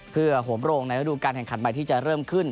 เพื่อโหมโรงในระดูการแข่งขันใหม่ที่จะเริ่มขึ้น